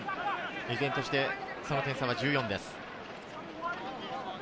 依然として点差は１４です。